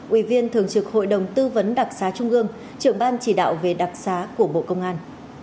ủy viên thường trực hội đồng tư vấn đặc xá trung ương trưởng ban chỉ đạo về đặc xá của bộ công an